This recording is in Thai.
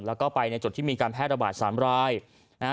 แล้วก็ไปในจุดที่มีการแพร่ระบาดสามรายนะฮะ